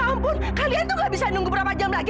ampun kalian tuh gak bisa nunggu berapa jam lagi